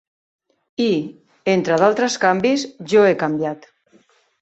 I, entre d"altres canvis, jo he canviat.